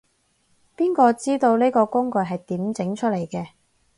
邊個知道，呢個工具係點整出嚟嘅